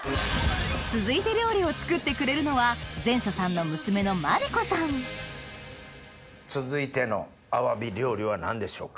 続いて料理を作ってくれるのは膳所さんの娘の続いてのアワビ料理は何でしょうか？